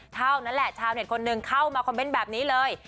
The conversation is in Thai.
เท่านั้นแหละชาวเน็ตคนหนึ่งเข้ามาคอมเมนต์แบบนี้เลย